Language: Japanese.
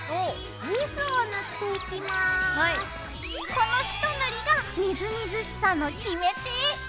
このひと塗りがみずみずしさの決め手。